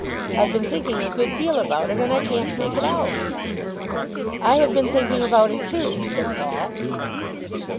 I've been thinking a good deal about it, and I can't make it out." "I have been thinking about it too," said Paul.